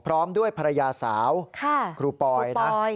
พร้อมด้วยภรรยาสาวครูปอยนะ